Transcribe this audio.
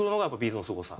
’ｚのすごさ。